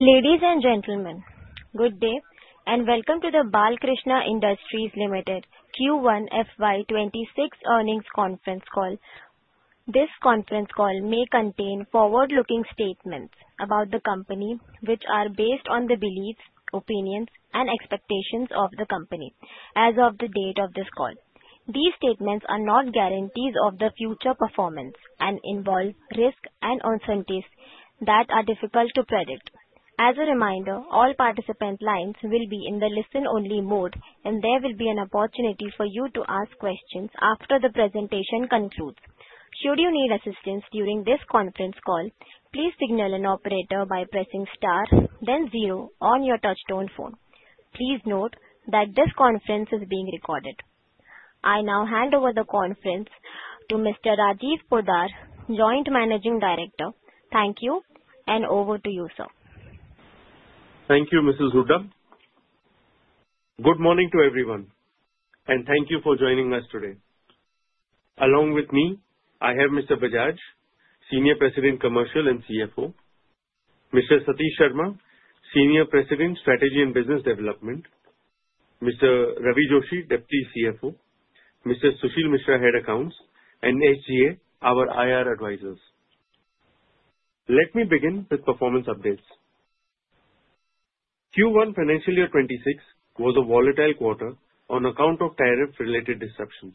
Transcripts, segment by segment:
Ladies and gentlemen, good day and welcome to the Balkrishna Industries Limited Q1FY26 earnings conference call. This conference call may contain forward-looking statements about the company which are based on the beliefs, opinions, and expectations of the company as of the date of this call. These statements are not guarantees of future performance and involve risks and uncertainties that are difficult to predict. As a reminder, all participant lines will be in the listen-only mode and there will be an opportunity for you to ask questions after the presentation concludes. Should you need assistance during this conference call, please signal an operator by pressing star then zero on your touchtone phone. Please note that this conference is being recorded. I now hand over the conference to Mr. Rajiv Poddar, Joint Managing Director. Thank you. Over to you, sir. Thank you, Mrs. Hoodam. Good morning to everyone and thank you for joining us today. Along with me I have Mr. Bajaj, Senior President Commercial and CFO, Mr. Satish Sharma, Senior President, Strategy and Business Development, Mr. Ravi Joshi, Deputy CFO, Mr. Sushil Mishra, Head Accounts, and HGA, our IR Advisors. Let me begin with performance updates. Q1, financial year 2026, was a volatile quarter on account of tariff related disruptions.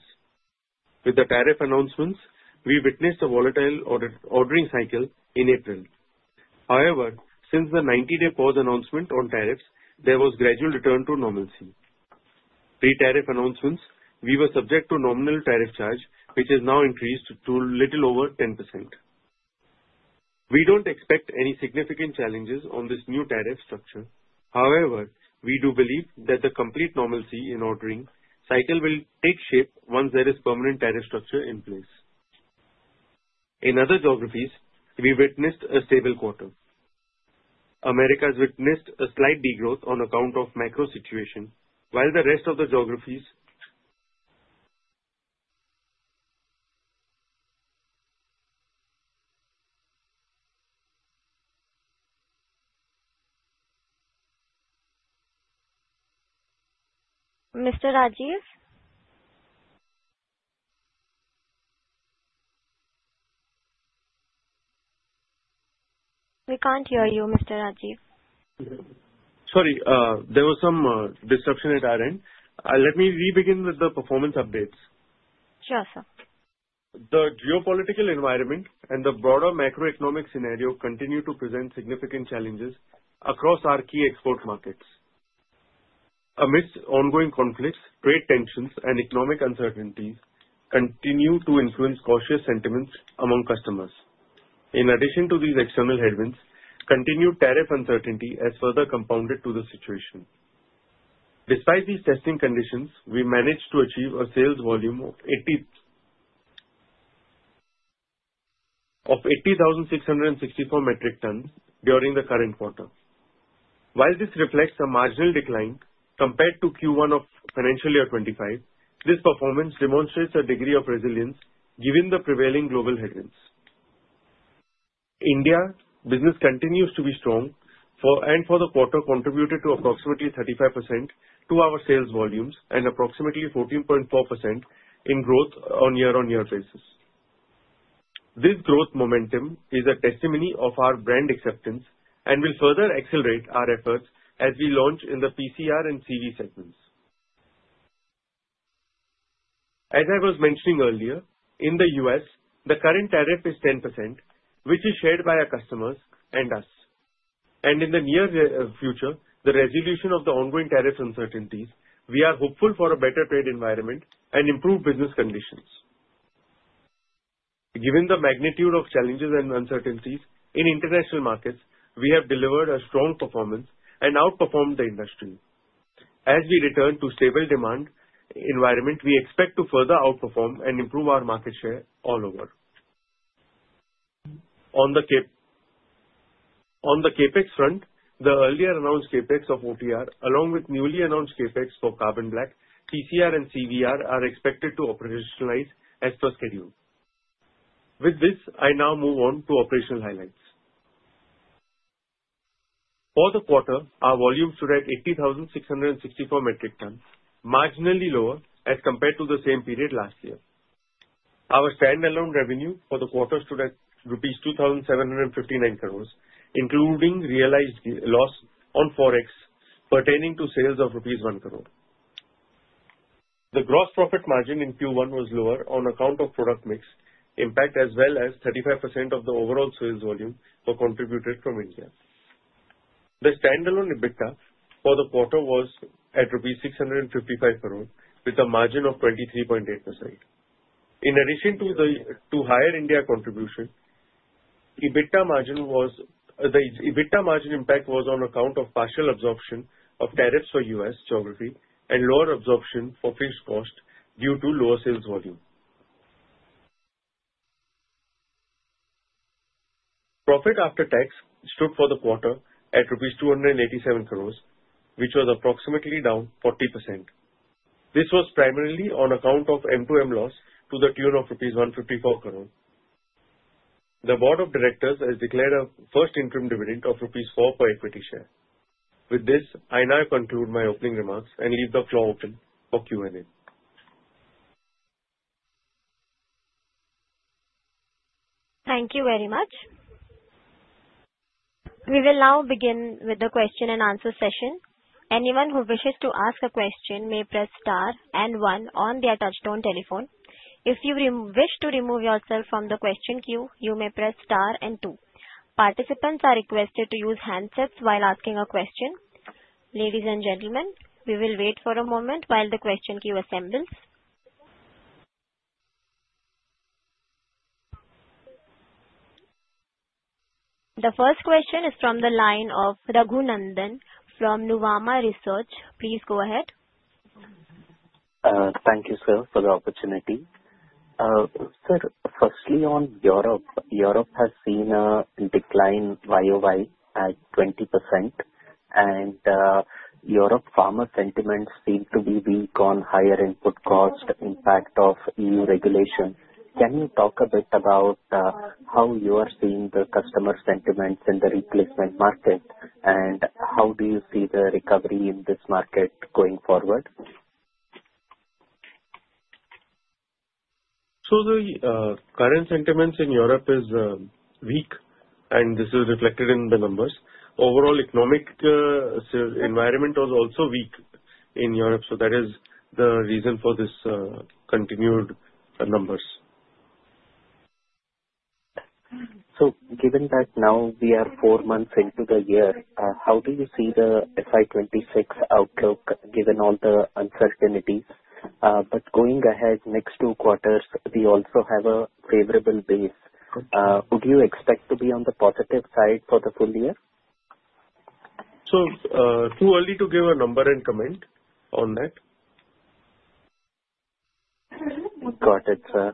With the tariff announcements, we witnessed a volatile ordering cycle in April. However, since the 90-day pause announcement on tariffs, there was gradual return to normalcy. Pre-tariff announcements, we were subject to nominal tariff charge, which is now increased to a little over 10%. We don't expect any significant challenges on this new tariff structure. However, we do believe that the complete normalcy in ordering cycle will take shape once there is permanent tariff structure in place. In other geographies, we witnessed a stable quarter. Americas witnessed a slight degrowth on account of macro situation, while the rest of the geographies. Mr. Rajiv, we can't hear you. Mr. Rajiv. Sorry, there was some disruption at our end. Let me begin with the performance updates. Sure, sir. The geopolitical environment and the broader macroeconomic scenario continue to present significant challenges across our key export markets. Amidst ongoing conflicts, trade tensions and economic uncertainties continue to influence cautious sentiments among customers. In addition to these external headwinds, continued tariff uncertainty has further compounded the situation. Despite these testing conditions, we managed to achieve a sales volume of 80,664 metric tonnes during the current quarter. While this reflects a marginal decline compared to Q1 of financial year 2025, this performance demonstrates a degree of resilience given the prevailing global headwinds. India business continues to be strong and for the quarter contributed to approximately 35% to our sales volumes and approximately 14.4% in growth on year-on-year basis. This growth momentum is a testimony of our brand acceptance and will further accelerate our efforts as we launch in the PCR and CV segments. As I was mentioning earlier, in the U.S. the current tariff is 10% which is shared by our customers and us and in the near future the resolution of the ongoing tariff uncertainties. We are hopeful for a better trade environment and improved business conditions. Given the magnitude of challenges and uncertainties in international markets, we have delivered a strong performance and outperformed the industry. As we return to stable demand environment, we expect to further outperform and improve our market share all over. On the CAPEX front, the earlier announced CAPEX of OTR along with newly announced CAPEX for Carbon Black, PCR and CVR are expected to operationalize as per schedule. With this, I now move on to operational highlights. For the quarter our volume stood at 80,664 metric tonnes, marginally lower as compared to the same period last year. Our standalone revenue for the quarter stood at rupees 2,759 crore including realized loss on forex pertaining to sales of rupees 1 crore. The gross profit margin in Q1 was lower on account of product mix impact as well as 35% of the overall sales volume were contributed from India. The standalone EBITDA for the quarter was at rupees 655 crore with a margin of 23.8%. In addition to higher India contribution, EBITDA margin was. The EBITDA margin impact was on account of partial absorption of tariffs for U.S. geography and lower absorption for fixed cost due to lower sales volume. Profit after tax stood for the quarter at rupees 287 crore which was approximately down 40%. This was primarily on account of mark-to-market (M2M) loss to the tune of 154 crore rupees. The board of directors has declared a first interim dividend of rupees 4 per equity share. With this I now conclude my opening remarks and leave the floor open for Q and A. Thank you very much. We will now begin with the question and answer session. Anyone who wishes to ask a question may press star and 1 on their touch tone telephone. If you wish to remove yourself from the question queue, you may press star and 2. Participants are requested to use handsets while asking a question. Ladies and gentlemen, we will wait for a moment while the question queue assembles. The first question is from the line of Raghunandan from Nuvama Research. Please go ahead. Thank you sir for the opportunity. Sir, firstly on Europe, Europe has seen a decline year over year at 20%. Europe Pharma sentiments seem to be weak on higher input cost impact of EU regulation. Can you talk a bit about how you are seeing the customer sentiments in the replacement market? How do you see the recovery in this market going forward? The current sentiments in Europe are weak and this is reflected in the numbers. The overall economic environment was also weak in Europe. That is the reason for these continued numbers. Given that now we are four months into the year, how do you see the FY2026 outlook given all the uncertainties? Going ahead, the next two quarters we also have a favorable base. Would you expect to be on the positive side for the full year? Too early to give a number and comment on that. Got it sir.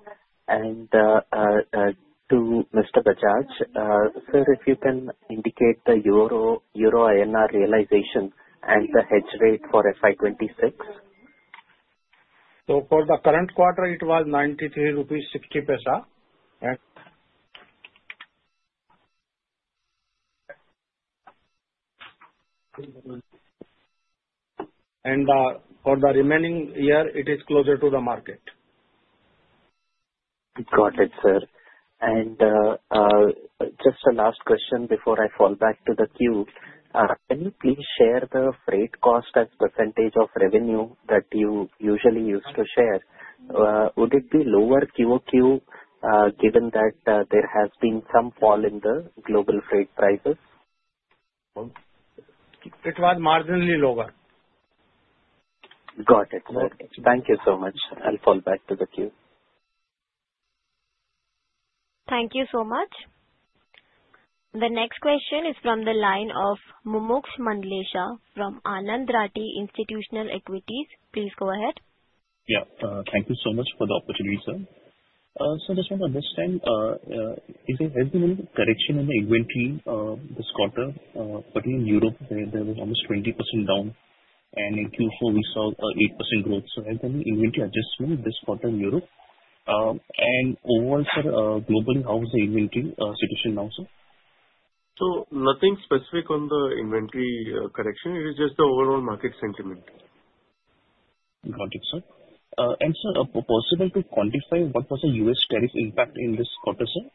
To Mr. Bajaj sir, if you can indicate the Euro INR realization and the hedge rate for FY2026. For the current quarter it was 93.60 rupees. For the remaining year it is closer to the market. Got it sir. Just a last question before I fall back to the queue. Can you please share the freight cost as percentage of revenue that you usually used to share? Would it be lower quarter on quarter given that there has been some fall in the global freight prices? It was marginally lower. Got it. Thank you so much. I'll fall back to the queue. Thank you so much. The next question is from the line of Mumuksh Manlesha from Anand Rathi Institutional Equities. Please go ahead. Thank you so much for the opportunity, sir. Just want to understand, is there any correction in the inventory this quarter? In Europe, where there was almost 20% down, and in Q4 we saw 8% growth. Has there been any inventory adjustment this quarter in Europe, and overall, sir, globally, how is the inventory situation now? Sir, nothing specific on the inventory correction. It is just the overall market sentiment. Got it, sir. Possible to quantify what was the U.S. tariff impact in this quarter? Sir,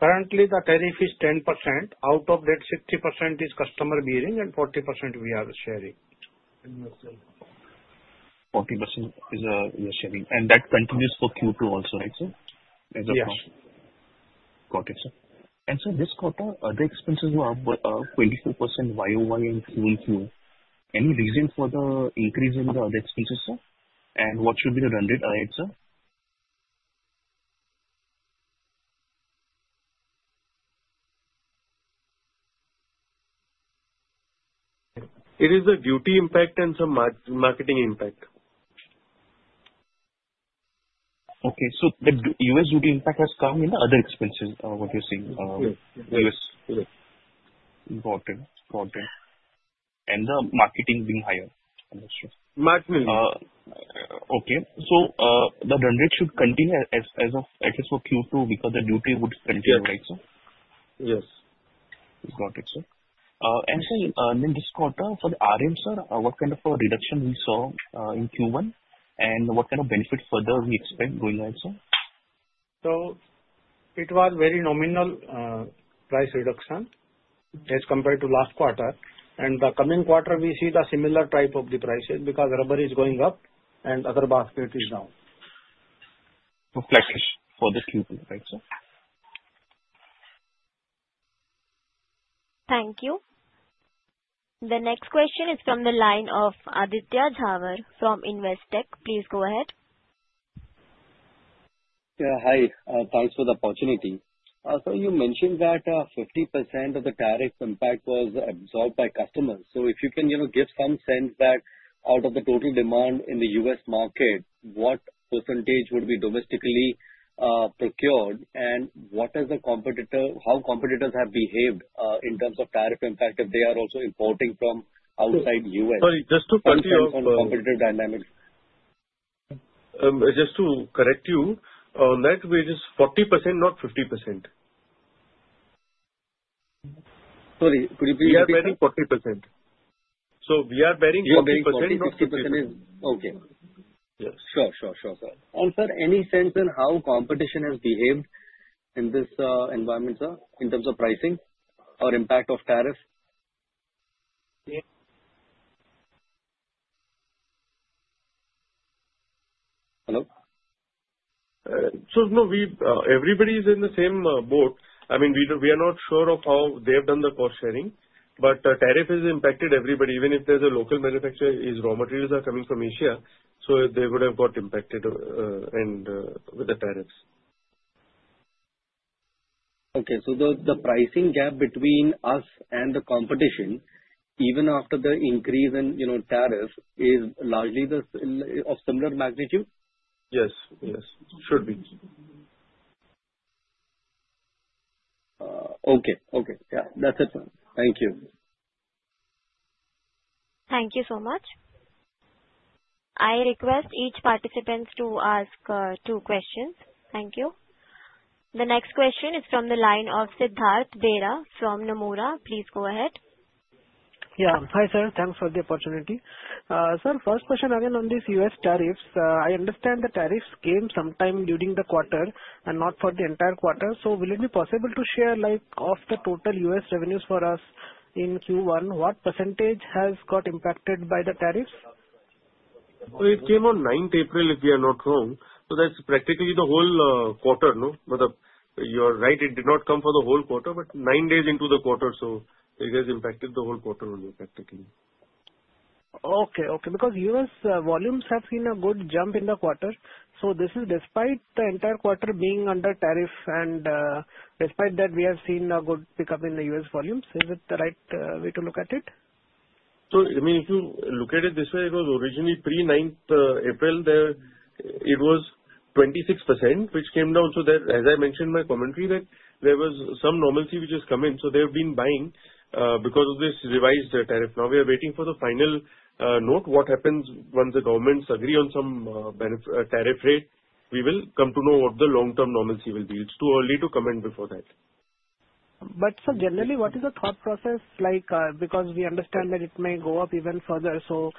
currently the tariff is 10%. Out of that, 60% is customer bearing and 40% we are sharing. 40% is a sharing, and that continues for Q2 also. Right, sir. Got it, sir. This quarter, other expenses were up 24% YoY and full Q. Any reason for the increase in the other expenses? Sir? What should be the run rate? Sir, it is a duty impact and some marketing impact. Okay, the U.S. duty impact has come in other expenses, what you're seeing, and the marketing being higher. Okay, the run rate should continue as of at least for Q2 because the duty would continue. Right, sir. Yes, got it, sir. In this quarter for the RM, sir, what kind of a reduction we saw in Q1 and what kind of benefit further we expect going also? It was very nominal price reduction as compared to last quarter, and the coming quarter we see the similar type of the prices because rubber is going up and other basket is down for Q2. Right, sir. Thank you. The next question is from the line of Aditya Jhawar from Investech. Please go ahead. Hi. Thanks for the opportunity. You mentioned that 50% of the tariff impact was absorbed by customers. If you can give some sense, out of the total demand in the U.S. market, what percentage would be domestically procured and what is the competitor? How competitors have behaved in terms of tariff impact if they are also importing from outside the U.S.? Sorry, just to confirm competitive dynamics. Just to correct you on that, which is 40%, not 50%. Sorry, could you please. 40%. We are bearing. Okay. Sure, sure. Sir, answer. Any sense in how competition has behaved in this environment? Sir, in terms of pricing or impact of tariff? Hello. Everybody is in the same boat. We are not sure of how they have done the cost sharing, but tariff has impacted everybody. Even if there is a local manufacturer, his raw materials are coming from Asia, so they would have got impacted with the tariffs. Okay. The pricing gap between us and the competition, even after the increase in tariff, is largely of similar magnitude. Yes. Yes, should be. Okay. Okay. Yeah, that's it. Thank you. Thank you so much. I request each participant to ask two questions. Thank you. The next question is from the line of Siddharth Bera from Nomura. Please go ahead. Yes. Hi, sir. Thanks for the opportunity. Sir, first question again on these U.S. tariffs. I understand the tariffs came sometime during the quarter and not for the entire quarter. Will it be possible to share, of the total U.S. revenues for U.S. in Q1, what % has got impacted by the tariffs? It came on the 9th of April, if we are not wrong. That's practically the whole quarter. No, you are right. It did not come for the whole quarter but nine days into the quarter. It has impacted the whole quarter only practically. Okay. Because U.S. volumes have seen a good jump in the quarter. This is despite the entire quarter being under tariff. Despite that, we have seen a good pickup in the U.S. volumes. Is it the right way to look at it? If you look at it this way, it was originally pre the 9th of April, there it was 26% which came down. As I mentioned in my commentary, there was some normalcy which has come in, so they have been buying because of this revised tariff. Now we are waiting for the final note, what happens once the governments agree on some tariff rate? We will come to know what the long-term normalcy will be. It's too early to comment before that. Generally, what is the thought process like? We understand that it may go up even further. Do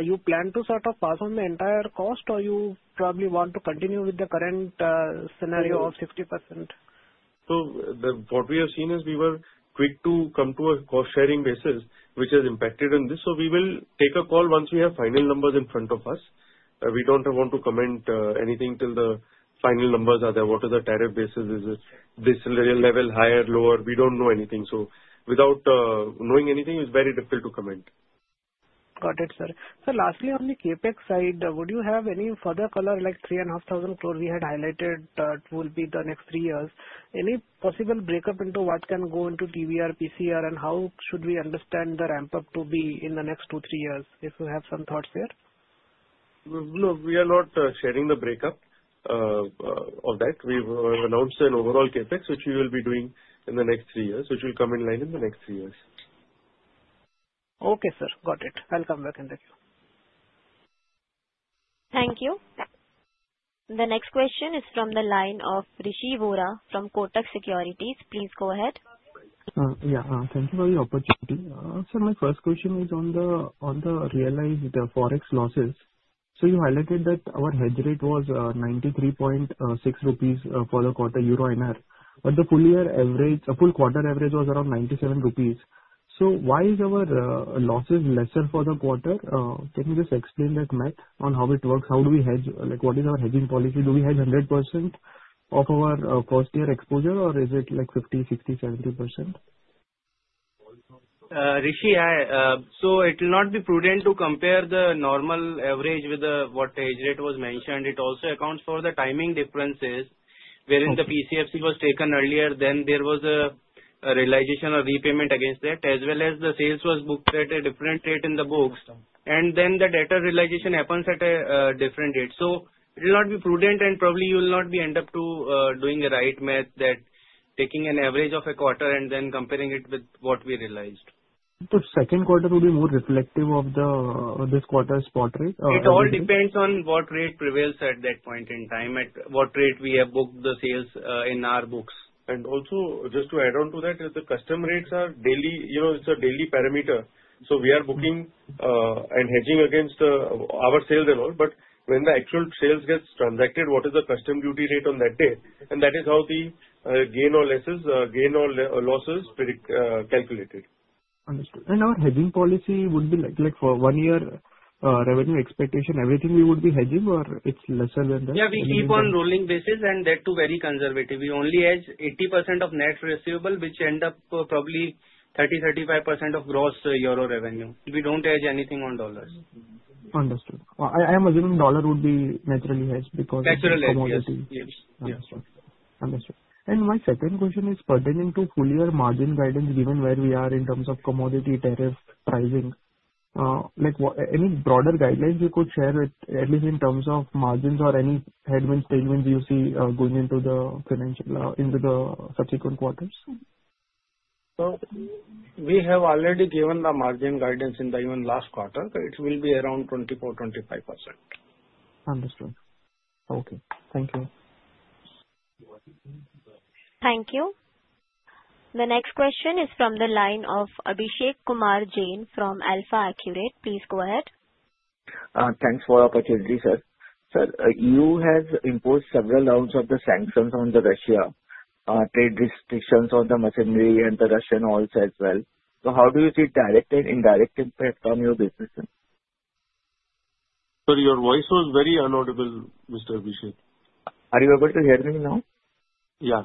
you plan to sort of pass on the entire cost or do you probably want to continue with the current scenario of 60%? What we have seen is we were quick to come to a cost sharing basis which has impacted on this. We will take a call once we have final numbers in front of us. We don't want to comment anything till the final numbers are there. What are the tariff basis? Is it this level? Higher? Lower? We don't know anything, so without knowing anything it's very difficult to comment. Got it, sir. Lastly, on the CapEx side, would you have any further color? 3,500 crore we had highlighted will be the next three years. Any point possible breakup into what can go into TBR, PCR and how should we understand the ramp up to be in the next 2-3 years? If you have some thoughts there. No, we are not sharing the breakup of that. We announced an overall CapEx which we will be doing in the next three years which will come in line in the next three years. Okay, sir. Got it. I'll come back in the queue. Thank you. The next question is from the line of Rishi Vora from Kotak Securities. Please go ahead. Yeah, thank you for the opportunity, sir. My first question is on the realized forex losses. You highlighted that our hedge rate was 93.6 rupees for the quarter Euro NR, but the full year average, full quarter average was around 97 rupees. So why is our losses lesser for the quarter? Can you just explain that math on how it works? How do we hedge? Like what is our hedging policy? Do we have 100% of our first year exposure or is it like 50%, 60%, 70%? Rishi, it will not be prudent to compare the normal average with what hedge rate was mentioned. It also accounts for the timing differences wherein the PCFC was taken earlier, then there was a realization or repayment against that, as well as the sales was booked at a different rate in the books, and then the data realization happens at a different rate. It will not be prudent and probably you will not end up doing the right math that taking an average of a quarter and then comparing it with what we realized. The second quarter will be more reflective of this quarter spot rate. It all depends on what rate prevails at that point in time, at what rate we have booked the sales in our books. Also, just to add on to that, the custom rates are daily. You know, it's a daily parameter. We are booking and hedging against our sales and all, but when the actual sales gets transacted, what is the custom duty rate on that day? That is how the gain or losses, gain or losses get calculated. Understood. Our hedging policy would be like for one year revenue expectation, everything we would be hedging or it's lesser than that. Yeah, we keep on rolling basis and that too very conservative. We only hedge 80% of net receivable, which end up probably 30%, 35% of gross Euro revenue. We don't hedge anything on dollars. Understood. I am assuming dollar would be naturally hedge because. Understood. My second question is pertaining to full year margin guidance given where we are in terms of commodity tariff pricing. Like any broader guidelines you could share with at least in terms of margins or any headwind stage you see going into the financial into the subsequent quarters. We have already given the margin guidance in the even last quarter. It will be around 24%, 25%. Understood. Okay, thank you. Thank you. The next question is from the line of Abhishek Kumar Jain from Alpha. Accurate. Please go ahead. Thanks for the opportunity, sir. Sir, you have imposed several rounds of the sanctions on the Russia trade restrictions on the machinery and the Russian oils as well. How do you see direct and indirect impact on your business? Your voice was very inaudible. Are you able to hear me now? Yeah.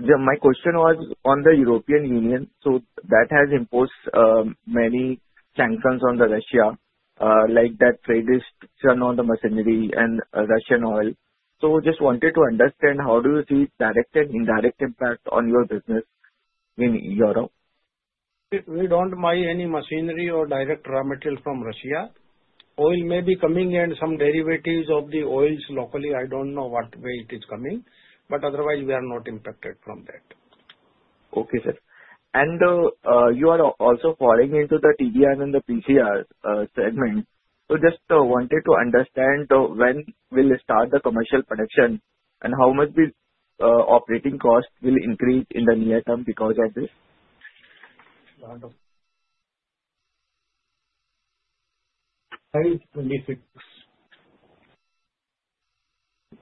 My question was on the European Union. That has imposed many sanctions on Russia, like that trade is turned on the machinery and Russian oil. Just wanted to understand how do you see direct and indirect impact on your business in Europe? We don't mind any machinery or direct raw material from Russia. Oil may be coming and some derivatives of the oils locally. I don't know what way it is coming, but otherwise we are not impacted from that. Okay, sir. You are also falling into the TBR and the PCR segment. Just wanted to understand when we'll start the commercial production and how much will operating cost will increase in the near term because of this.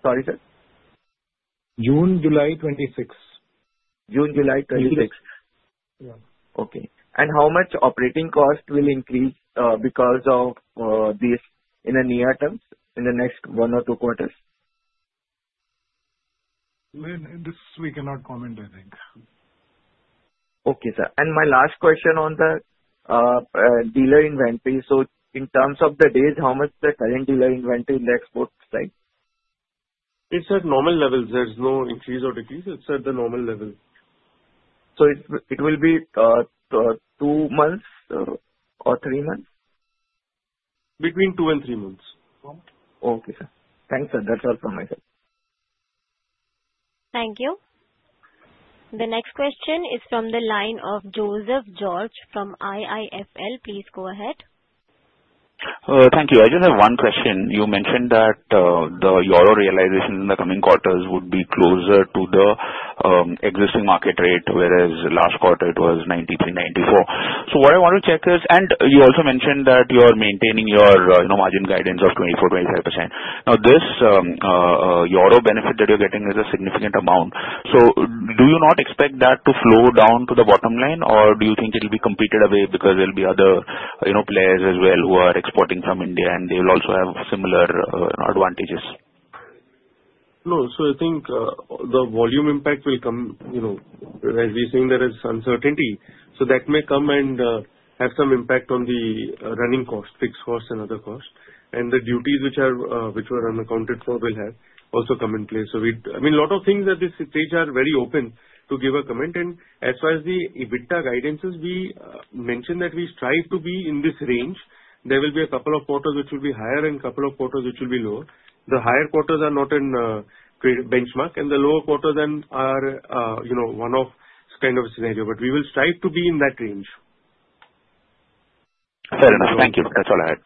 Sorry, sir. June, July 2026. June, July 2026. Okay. How much operating cost will increase because of this in the near term in the next one or two quarters? This we cannot comment, I think. Okay, sir, and my last question on the dealer inventory, in terms of the days, how much the current dealer inventory in the export side? It's at normal levels. There's no increase or decrease. It's at the normal level. Will it be two months or three months? Between two and three months. Okay, thanks, sir. That's all from myself. Thank you. The next question is from the line of Joseph George from IIFL. Please go ahead. Thank you. I just have one question. You mentioned that the euro realization in the coming quarters would be closer to the existing market rate, whereas last quarter it was 93, 94. What I want to check is, you also mentioned that you are maintaining your margin guidance of 24, 25%. Now this euro benefit that you're getting is a significant amount. Do you not expect that to flow down to the bottom line or do you think it will be competed away because there will be other players as well who are exporting from India and they will also have similar advantages? No. I think the volume impact will come. There is uncertainty. That may come and have some impact on the running cost, fixed cost, and other costs. The duties which were unaccounted for will have also come in place. A lot of things at this stage are very open to give a comment. As far as the EBITDA guidance is, we mentioned that we strive to be in this range. There will be a couple of quarters which will be higher and a couple of quarters which will be lower. The higher quarters are not in benchmark and the lower quarter is a one-off kind of scenario. We will strive to be in that range. Fair enough. Thank you. That's all I had.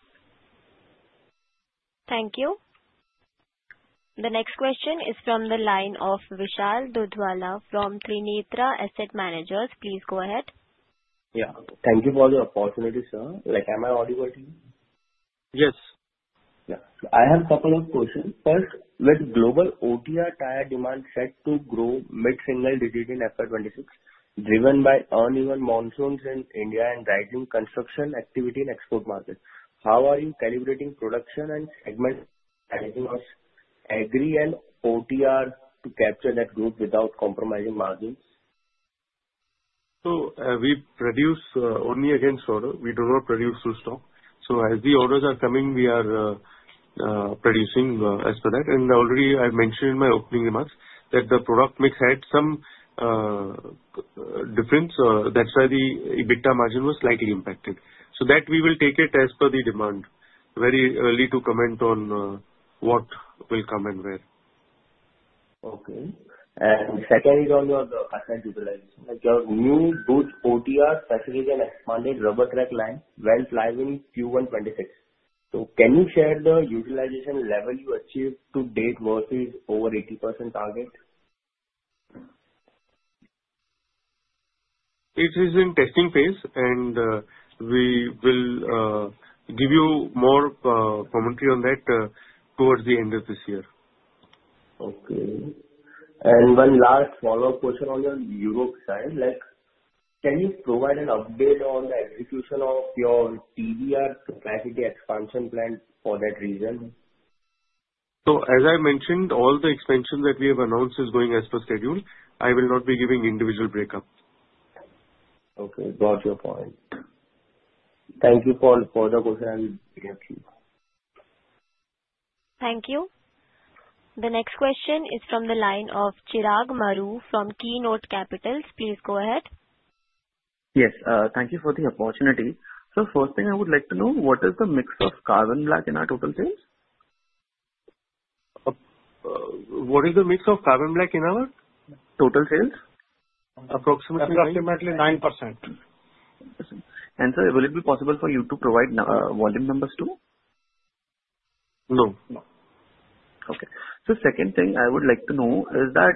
Thank you. The next question is from the line of Vishal Dudwala from Trinetra Asset Managers. Please go ahead. Thank you for the opportunity, sir. Am I audible, team? Yes, I have a couple of questions. First, with global OTR tyre demand set to grow mid single digit in FY26, driven by uneven monsoons in India and driving construction activity in export market, how are you calibrating production and segment Agri and OTR to capture that growth without compromising margins? We produce only against order. We do not produce for stock. As the orders are coming, we are producing as per that, and already I mentioned in my opening remarks that the product mix had some difference. That's why the EBITDA margin was slightly impacted. We will take it as per the demand. Very early to comment on what will come and where. Second is on your asset utilization. Your new OTR specialized and expanded rubber track line will fly in Q1 2026. Can you share the utilization level you achieved to date versus over 80% target? It is in testing phase and we will give you more commentary on that towards the end of this year. One last follow up question on your Europe side. Can you provide an update on the execution of your TBR capacity expansion plan for that region? As I mentioned, all the expansion that we have announced is going as per schedule. I will not be giving individual breakup. Got your point. Thank you for the question. Thank you. The next question is from the line of Chirag Maru from Keynote Capitals. Please go ahead. Yes, thank you for the opportunity. First thing I would like to know, what is the mix of Carbon Black in our total sales? What is the mix of Carbon Black in our total sales? Approximately 9%. Will it be possible for you to provide volume numbers too? No. Okay. The second thing I would like to know is that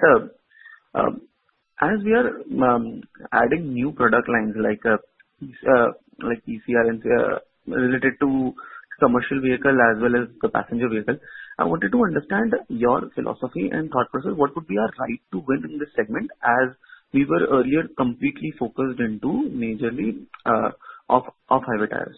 as we are adding new product lines like ECR and related to commercial vehicle as well as the passenger vehicle, I wanted to understand your philosophy and thought process. What would be our right to win in this segment as we were earlier completely focused into majorly of hybrid tires.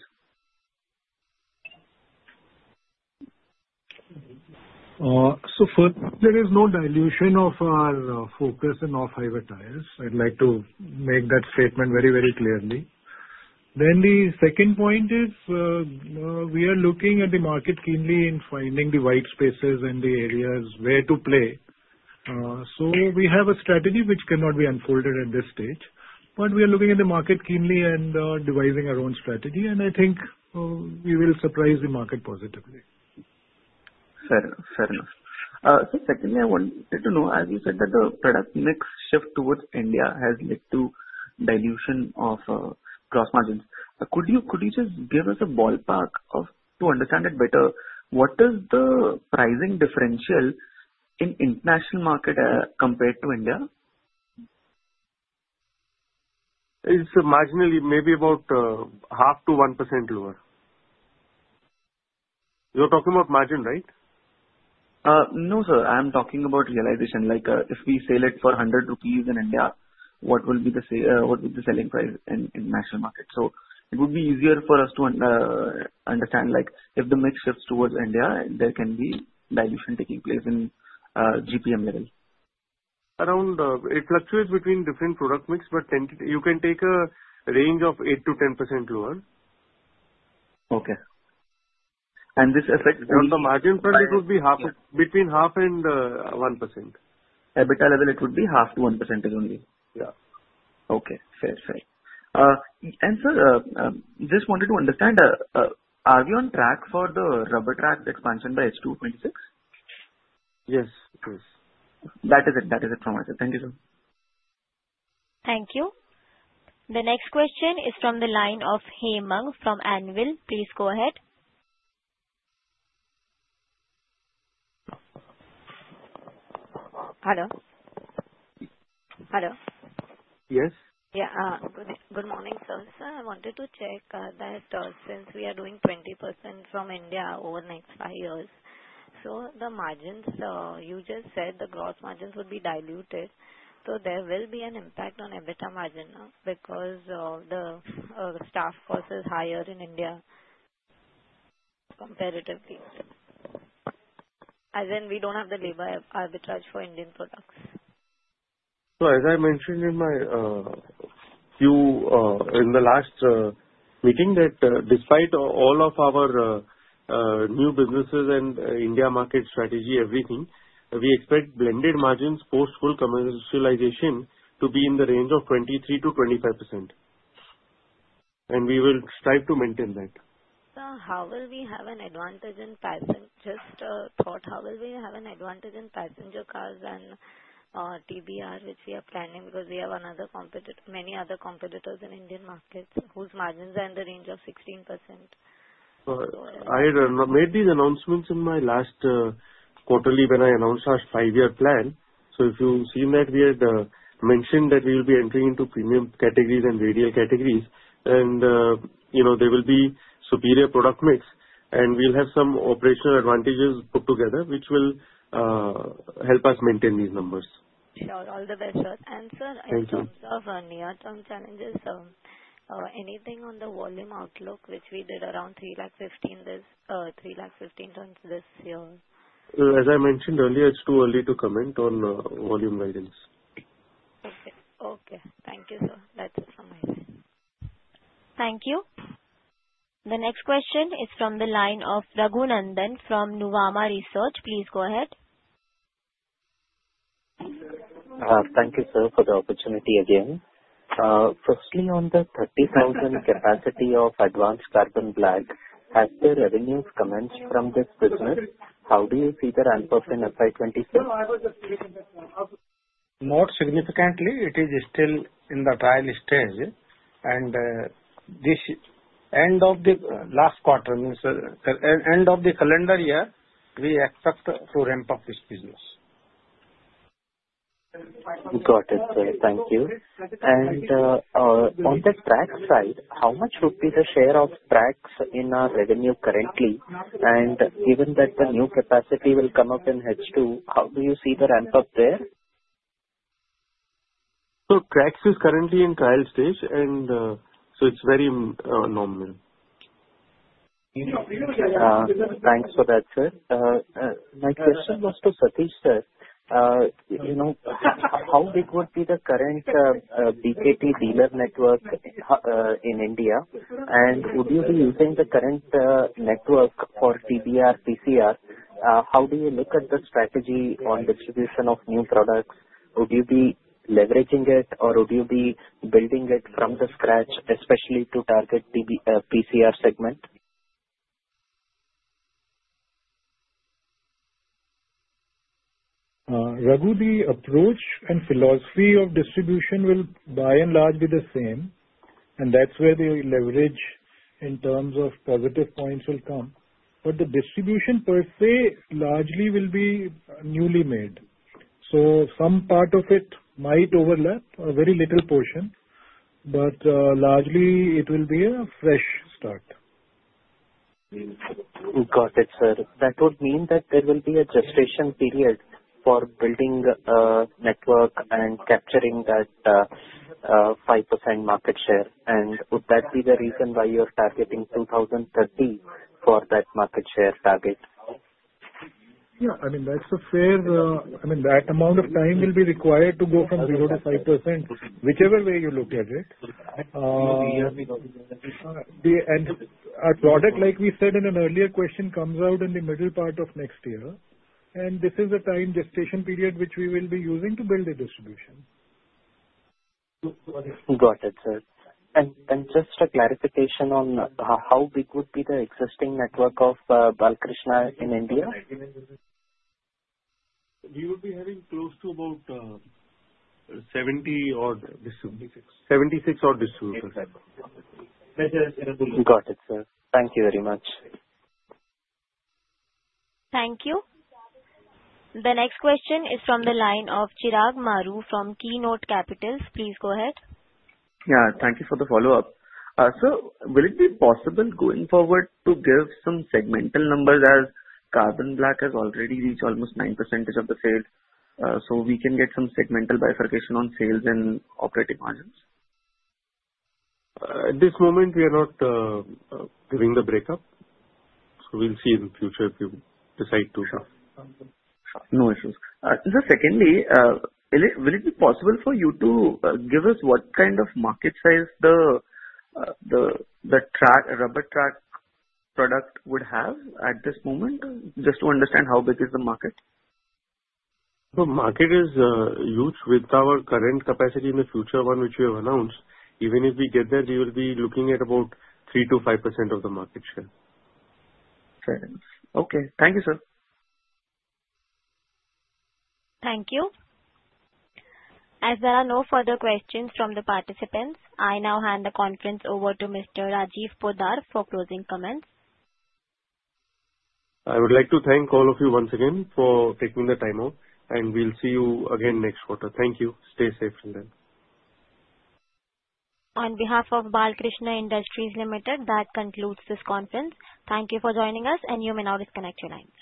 First, there is no dilution of our focus in off hybrid tires. I'd like to make that statement very, very clearly. The second point is we are looking at the market keenly in finding the white spaces and the areas where to play. We have a strategy which cannot be unfolded at this stage. We are looking at the market keenly and devising our own strategy. I think we will surprise the market positively. Fair enough. Secondly, I wanted to know, as you said that the product mix shift towards India has led to dilut of gross margins. Could you just give us a ballpark to understand it better? What is the pricing differential in international market compared to India? It's marginally maybe about half to 1% lower. You're talking about margin, right? No sir, I'm talking about realization. Like if we sell it for 100 rupees in India, what will be the selling price in international market? It would be easier for us to understand, like if the mix shifts towards India there can be dilution taking place in GPM level around it fluctuates between different product mix. You can take a range of 8 to 10% lower. Okay. This effect on the margin front, it would be half, between half and 1% EBITDA level, it would be half to 1% only. Yeah. Okay. Fair, fair. Sir, just wanted to understand are we on track for the rubber track expansion by H2 2026? Yes, that is it. That is it from. Thank you sir. Thank you. The next question is from the line of Hemang from Anvil. Please go ahead. Hello. Hello. Yes. Yeah, good morning sir. I wanted to check that since we are doing 20% from India over next five years. The margins, you just said the gross margins would be diluted. There will be an impact on EBITDA margin because the staff higher in India comparatively as in we don't have the labor arbitrage for Indian products. As I mentioned in my few in the last meeting, despite all of our new businesses and India market strategy, everything, we expect blended margins post full commercialization to be in the range of 23% to 25%. We will strive to maintain that. How will we have an advantage in passenger cars and TBR which we are planning? Because we have another competitor, many other competitors in Indian markets whose margins are in the range of 16%. I made these announcements in my last quarterly when I announced our five year plan. If you see that we had mentioned that we will be entering into premium categories and radial categories, there will be superior product mix, and we'll have some operational advantages put together which will help us maintain these numbers. Sure, all the best. In terms of near term challenges, anything on the volume outlook which we did around 3:15, this 3:15, 20 this year. As I mentioned earlier, it's too early to comment on volume guidance. Okay, thank you sir. That's it. Thank you. The next question is from the line of Raghunandan from Nuvama Research. Please go ahead. Thank you, sir, for the opportunity. Firstly, on the 30,000 capacity of advanced Carbon Black, as the revenues commenced from this business, how do you see the ramp up in FY26? Not significantly. It is still in the trial stage. This end of the last quarter means end of the calendar year we expect to ramp up this business. Got it. Thank you. On the Trax side, how much would be the share of Trax in our revenue currently? Given that the new capacity will come up in H2, how do you see the ramp up there? Trax is currently in trial stage and so it's very nominal. Thanks for that, sir. My question was to Satish, sir. You know, how big would be the current BKT dealer network in India? Would you be using the current network for TBR, PCR? How do you look at the strategy on distribution of new products? Would you be leveraging it or would you be building it from scratch, especially to target the PCR segment? Raghu, the approach and philosophy of distribution will by and large be the same. That's where the leverage in terms of positive points will come. The distribution per se largely will be newly made. Some part of it might overlap, a very little portion, but largely it will be a fresh start. Got it, sir. That would mean that there will be a gestation period for building a network and capturing that 5% market share. Would that be the reason why you're targeting 2030 for that market share target? Yeah, I mean that's fair. That amount of time will be required to go from 0 to 5%. Whichever way you look at it, our product, like we said in an earlier question, comes out in the middle part of next year. This is the time gestation period which we will be using to build a distribution. Got it, sir. Just a clarification on how big would be the existing network of Balkrishna in India? We would be having close to about 70 odd, 76 or. Got it, sir. Thank you very much. Thank you. The next question is from the line of Chirag Maru from Keynote Capitals. Please go ahead. Thank you for the follow up. Will it be possible going forward to give some segmental numbers? As Carbon Black has already reached almost 9% of the sale, can we get some segmental bifurcation on sales and operating margins? At this moment we are not doing the breakup. We'll see in future if we decide to. No issues. Just secondly, will it be possible for you to give us what kind of market size the track rubber track product would have at this moment? Just to understand how big is the market. The market is huge. With our current capacity and the future one which you have announced, even if we get there, we will be looking at about 3% to 5% of the market share. Thank you sir. Thank you. As there are no further questions from the participants, I now hand the conference over to Mr. Rajiv Poddar for closing comments. I would like to thank all of you once again for taking the time out, and we'll see you again next quarter. Thank you. Stay safe till then. On behalf of Balkrishna Industries Limited, that concludes this conference. Thank you for joining us. You may now disconnect your lines.